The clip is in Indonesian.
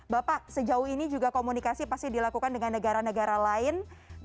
bapak sejauh ini juga komunikasi pasti dilakukan dengan negara negara lain